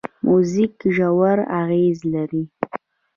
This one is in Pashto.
موزیک ژور اغېز لري.